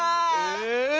え。